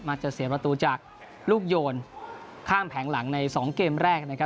จะเสียประตูจากลูกโยนข้ามแผงหลังใน๒เกมแรกนะครับ